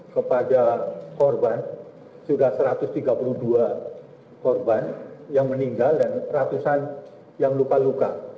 kepada korban sudah satu ratus tiga puluh dua korban yang meninggal dan ratusan yang luka luka